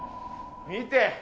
見て。